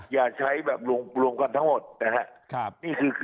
อย่าใช้แบบรวมกันทั้งหมดนะครับ